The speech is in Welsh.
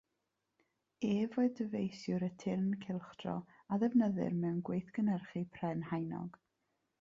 Ef oedd dyfeisiwr y turn cylchdro a ddefnyddir mewn gweithgynhyrchu pren haenog.